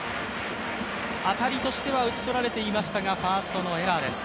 当たりとしては打ち取られていましたがファーストのエラーです。